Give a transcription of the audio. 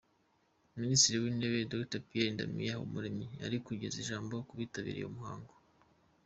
Minisitiri w’Intebe Dr Pierre Damien Habumuremyi ari kugeza ijambo ku bitabiriye uwo muhango.